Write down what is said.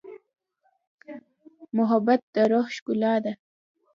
محبت د روح ښکلا ده.